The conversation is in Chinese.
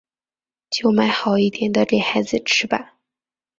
就买好一点的给孩子吃吧